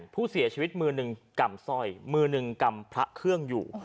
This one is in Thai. ผู้เสียชีวิตมือหนึ่งกำสร้อยมือหนึ่งกำพระเครื่องอยู่